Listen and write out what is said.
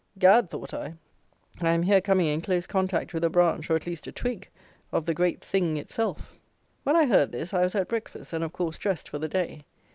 Gad! thought I, I am here coming in close contact with a branch, or at least a twig, of the great THING itself! When I heard this, I was at breakfast, and, of course, dressed for the day.